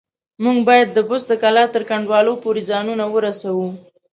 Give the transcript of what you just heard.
موږ بايد د بست د کلا تر کنډوالو پورې ځانونه ورسوو.